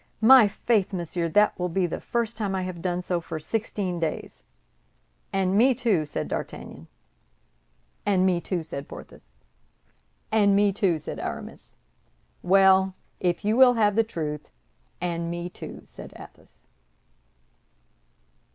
"My faith, monsieur! that will be the first time I have done so for sixteen days." "And me, too!" said D'Artagnan. "And me, too!" said Porthos. "And me, too!" said Aramis. "Well, if you will have the truth, and me, too!" said Athos.